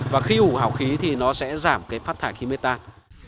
và khi ủ hào khí thì nó sẽ giảm cái phát thải khí mê tan